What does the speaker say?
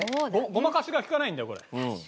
ごまかしがきかないんだよこれ。